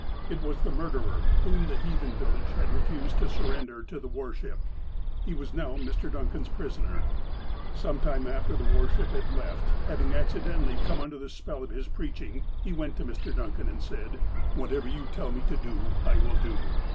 It was the murderer, whom the heathen village had refused to surrender to the war ship. He was now Mr. Duncan's prisoner. Some time after the war ship had left, having accidentally come under the spell of his preaching, he went to Mr. Duncan, and said : 217 218 THE APOSTLE OF ALASKA ^'Whatever you tell me to do, I will do.